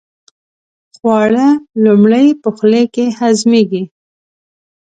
خواړه لومړی په خولې کې هضمېږي.